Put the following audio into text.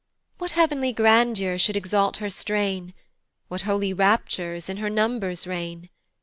What heav'nly grandeur should exalt her strain! What holy raptures in her numbers reign!